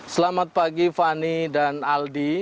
selamat pagi fani dan aldi